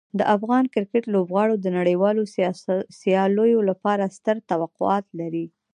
د افغان کرکټ لوبغاړو د نړیوالو سیالیو لپاره ستر توقعات لري.